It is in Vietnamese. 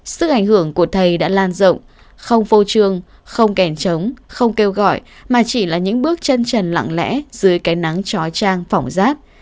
sức ảnh hưởng của thầy đã lan rộng không vô trường không kèn trống không kêu gọi mà chỉ là những bước chân trần lặng lẽ dưới cái nắng trói trang phỏng rát